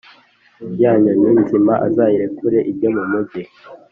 Ya nyoni nzima azayirekure ijye mumugi